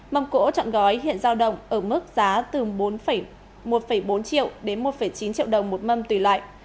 mâm cỗ trọn gói hiện giao động ở mức giá từ một bốn triệu đến một chín triệu đồng một mâm tùy loại